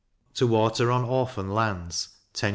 to water on Orphan lands 10s.